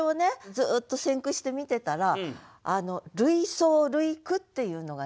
ずっと選句して見てたら類想類句っていうのがね山ほど出てくる。